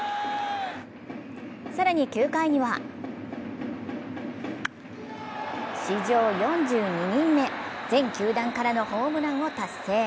更に、９回には史上４２人目、全球団からのホームランを達成。